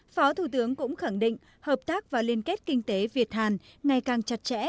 phó thủ tướng cũng khẳng định hợp tác và liên kết kinh tế việt hàn ngày càng chặt chẽ